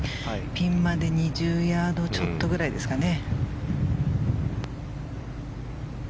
ピンまで２０ヤードちょっとくらいですかね。